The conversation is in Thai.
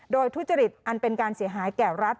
โดยทุจริตอันเป็นการเสียหายแก่รัฐ